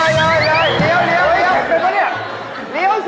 เรียวเผ็นปั้นแน่